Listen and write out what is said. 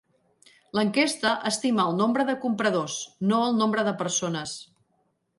L'enquesta estima el nombre de compradors, no el nombre de persones.